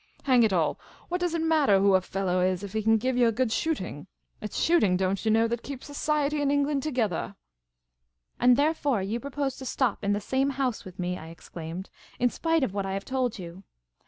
Hang it all, what does it mattah who a fellah is if he can give yah good shooting ? It 's shooting, don't yah know, that keeps society in England togethah !"" And therefore you propose to stop in the same house with me," I exclaimed, " in spite of what I have told you